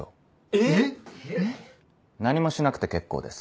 えっ⁉何もしなくて結構です。